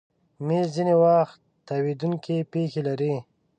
مېز ځینې وخت تاوېدونکی پښې لري.